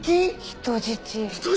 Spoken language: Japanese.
人質！？